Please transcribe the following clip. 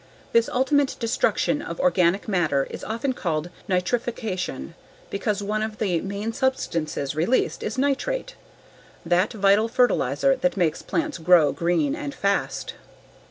This ultimate destruction of organic matter is often called nitrification because one of the main substances released is nitrate that vital fertilizer that makes plants grow green and fast.